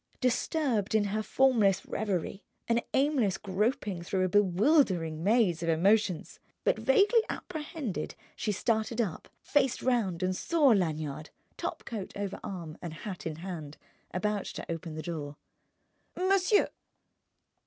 Disturbed in her formless reverie, an aimless groping through a bewildering maze of emotions but vaguely apprehended, she started up, faced round and saw Lanyard, topcoat over arm and hat in hand, about to open the door. "Monsieur!"